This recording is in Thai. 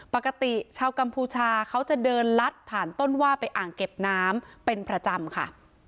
ปกติชาวกัมพูชาเขาจะเดินลัดผ่านต้นว่าไปอ่างเก็บน้ำเป็นประจำค่ะ